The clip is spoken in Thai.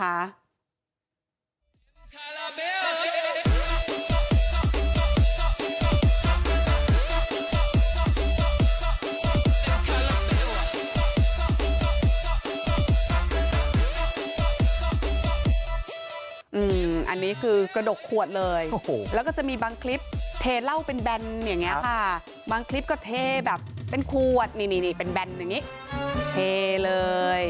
อันนี้คือกระดกขวดเลยแล้วก็จะมีบางคลิปเทเหล้าเป็นแบนอย่างนี้ค่ะบางคลิปก็เทแบบเป็นขวดนี่นี่เป็นแบนอย่างนี้เทเลย